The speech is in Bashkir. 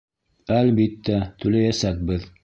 Әлбиттә, түләйәсәкбеҙ...